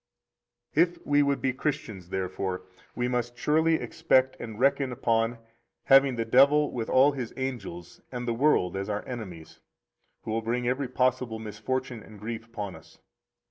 65 If we would be Christians, therefore, we must surely expect and reckon upon having the devil with all his angels and the world as our enemies who will bring every possible misfortune and grief upon us.